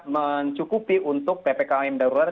mencukupi untuk ppkm darulat